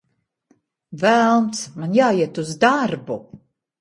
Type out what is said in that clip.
Velns, man jāiet uz darbu!